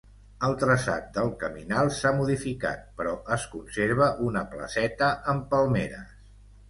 El traçat del caminal s’ha modificat, però es conserva una placeta amb palmeres.